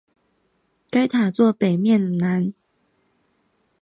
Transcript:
该塔座北面南。